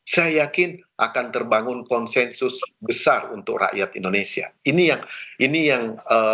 saya yakin akan terbangun konsensus besar untuk rakyat indonesia ini yang ini yang